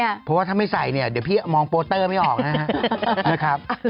เพราะว่าถ้าไม่ใส่เนี่ยเดี๋ยวพี่มองโปเตอร์ไม่ออกนะครับ